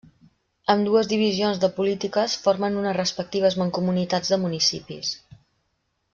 Ambdues divisions de polítiques formen unes respectives mancomunitats de municipis.